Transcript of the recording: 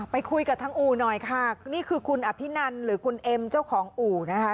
ไปคุยกับทางอู่หน่อยค่ะนี่คือคุณอภินันหรือคุณเอ็มเจ้าของอู่นะคะ